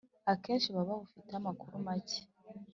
akenshi baba babufiteho amakuru make.